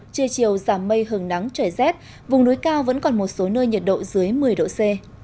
trưa chiều giảm mây hừng nắng trời rét vùng núi cao vẫn còn một số nơi nhiệt độ dưới một mươi độ c